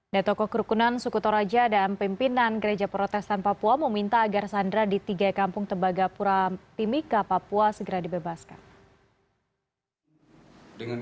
nah tokoh kerukunan suku toraja dan pimpinan gereja protestan papua meminta agar sandra di tiga kampung tembagapura timika papua segera dibebaskan